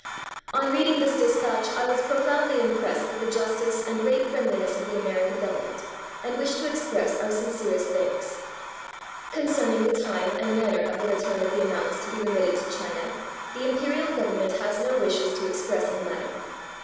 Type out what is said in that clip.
] On reading this dispatch I was profoundly impressed with the justice and great friendliness of the American Government, and wish to express our sincerest thanks. Concerning the time and manner of the return of the amounts to be remitted to China, the Imperial Govern ment has no wishes to express in the matter.